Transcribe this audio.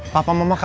papa mau makan